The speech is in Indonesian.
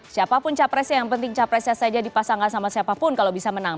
siapapun capresnya yang penting capresnya saja dipasangkan sama siapapun kalau bisa menang